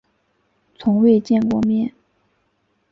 从未见过面